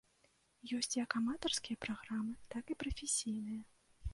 Ёсць як аматарскія праграмы, так і прафесійныя.